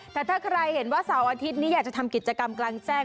แต่ถ้าใครเห็นว่าเสาร์อาทิตย์นี้อยากจะทำกิจกรรมกลางแจ้ง